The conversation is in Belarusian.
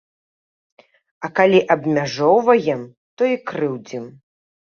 А калі абмяжоўваем, то і крыўдзім.